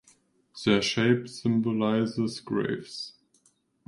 Their shape symbolizes graves.